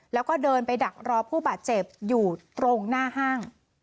แล้วก็เดินไปดักรอผู้บาดเจ็บอยู่ตรงหน้าห้าง